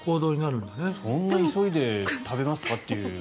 そんな急いで食べますかっていう。